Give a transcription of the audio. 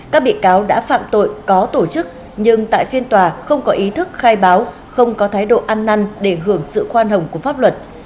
các bị cáo đã phạm tội có tổ chức nhưng tại phiên tòa không có ý thức khai báo không có thái độ ăn năn để hưởng sự khoan hồng của pháp luật